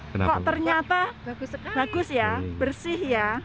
kok ternyata bagus ya bersih ya